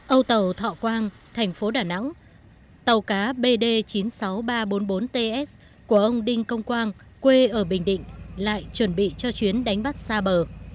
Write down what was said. âu tàu thọ quang thành phố đà nẵng tàu cá bd chín mươi sáu nghìn ba trăm bốn mươi bốn ts của ông đinh công quang quê ở bình định lại chuẩn bị cho chuyến đánh bắt xa bờ